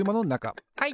はい！